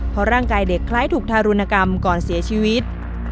เพราะร่างกายเด็กคล้ายถูกทารุณกรรมก่อนเสียชีวิต